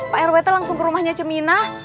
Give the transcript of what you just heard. pak rw t langsung ke rumahnya cemina